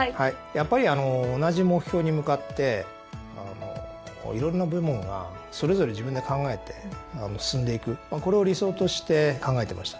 やっぱり同じ目標に向かっていろんな部門がそれぞれ自分で考えて進んでいくこれを理想として考えてました。